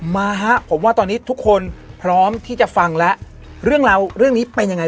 มาฮะผมว่าตอนนี้ทุกคนพร้อมที่จะฟังแล้วเรื่องราวเรื่องนี้เป็นยังไง